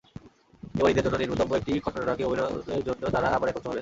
এবার ঈদের জন্য নির্মিতব্য একটি খণ্ডনাটকে অভিনয়ের জন্য তাঁরা আবার একত্র হলেন।